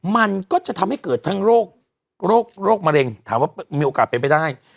มันก็จะทำให้เกิดทั้งโรคโรคมะเร็งถามว่ามีโอกาสเป็นไปได้